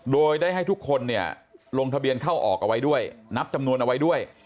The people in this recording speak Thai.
โดยได้ให้ทุกคนเนี่ยลงทะเบียนเข้าออกเอาไว้ด้วยนับจำนวนเอาไว้ด้วย